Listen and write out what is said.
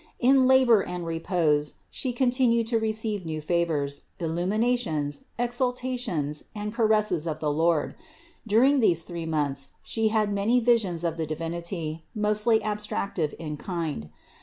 In labor and repose She continued to receive new favors, illuminations, exaltation and caresses of the Lord. During these three months She had many visions of the Divinity, mostly abstractive in kind.